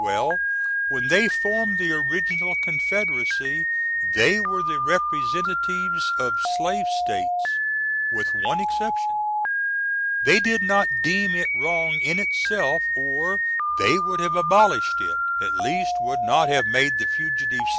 Well when they formed the Original Confed^y they were the Rep's of Slave States, with one exception. They did not deem it wrong in itself, or they would have abolished it at least would not have made the "Fugitive S.